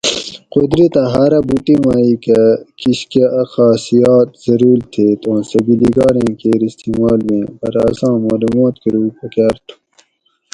قدرتہ ھارہ بوٹی مائ کہ کشکہ اۤ خاصیاۤت ضرول تھیت اوں سہ بیلگاریں کیر استعمال ویں پرہ اساں مالومات کروگ پکار تھو